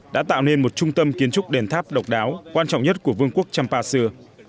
đã tạo nên một trung tâm kiến trúc đền tháp độc đáo quan trọng nhất của vương quốc champa xưa